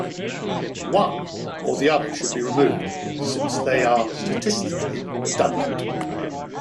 One or the other should be removed since they are statistically redundant.